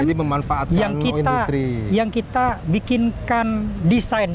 ini memanfaatkan industri